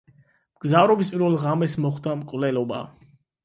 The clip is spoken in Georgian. მგზავრობის პირველ ღამეს მოხდება მკვლელობა.